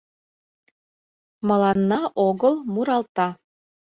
Мыланна огыл муралта.